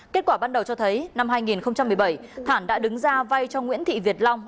kết quả ban đầu cho thấy năm hai nghìn một mươi bảy thản đã đứng ra vay cho nguyễn thị việt long